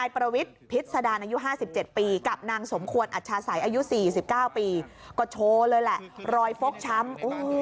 ๕๗ปีกับนางสมควรอัชชาศัยอายุ๔๙ปีก็โชว์เลยแหละรอยฟกช้ำ